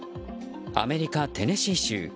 アメリカ・テネシー州。